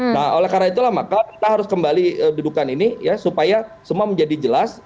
nah oleh karena itulah maka kita harus kembali dudukan ini ya supaya semua menjadi jelas